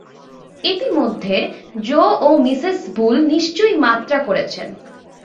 ইতোমধ্যে জো ও Mrs Bull নিশ্চয়ই যাত্রা করেছেন।